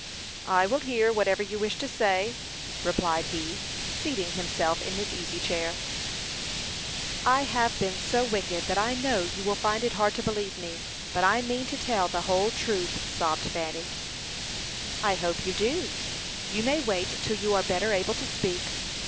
"I will hear whatever you wish to say," replied he, seating himself in his easy chair. "I have been so wicked that I know you will find it hard to believe me; but I mean to tell the whole truth," sobbed Fanny. "I hope you do. You may wait till you are better able to speak.